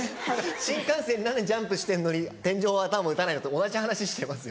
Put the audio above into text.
「新幹線で何でジャンプしてんのに天井頭打たないの？」と同じ話してますよね。